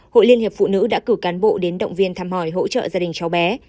hội liên hiệp phụ nữ đã cử cán bộ đến động viên thăm hỏi hỗ trợ gia đình cháu bé